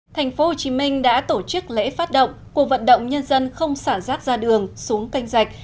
thành phố hồ chí minh đã tổ chức lễ phát động cuộc vận động nhân dân không xả rác ra đường xuống canh rạch